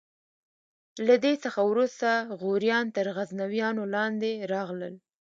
له دې څخه وروسته غوریان تر غزنویانو لاندې راغلل.